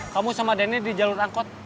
kamu sama denny di jalur angkot